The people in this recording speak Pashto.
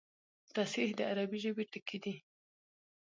تصحیح د عربي ژبي ټکی دﺉ.